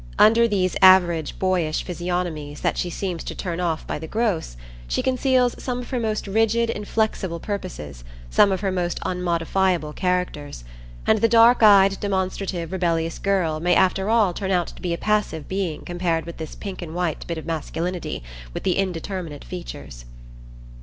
Under these average boyish physiognomies that she seems to turn off by the gross, she conceals some of her most rigid, inflexible purposes, some of her most unmodifiable characters; and the dark eyed, demonstrative, rebellious girl may after all turn out to be a passive being compared with this pink and white bit of masculinity with the indeterminate features.